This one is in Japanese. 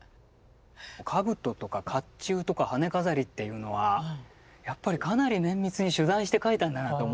かぶととかかっちゅうとか羽飾りっていうのはやっぱりかなり綿密に取材して描いたんだなと思いますね。